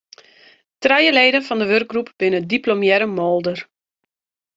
Trije leden fan de wurkgroep binne diplomearre moolder.